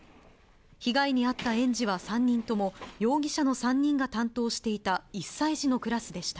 被害に遭った園児は３人とも、容疑者の３人が担当していた１歳児のクラスでした。